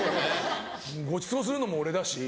ごちそうするのも俺だし。